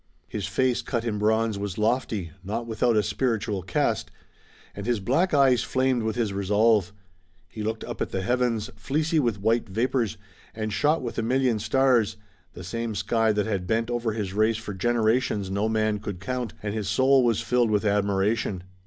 His face cut in bronze was lofty, not without a spiritual cast, and his black eyes flamed with his resolve. He looked up at the heavens, fleecy with white vapors, and shot with a million stars, the same sky that had bent over his race for generations no man could count, and his soul was filled with admiration.